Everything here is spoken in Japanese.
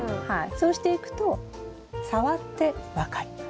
そうしていくと触って分かります。